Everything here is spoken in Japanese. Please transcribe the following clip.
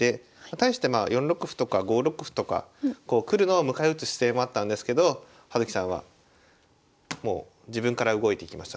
対してまあ４六歩とか５六歩とか来るのを迎え撃つ姿勢もあったんですけど葉月さんはもう自分から動いていきました。